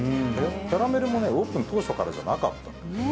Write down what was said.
キャラメルもオープン当初からじゃなかったと。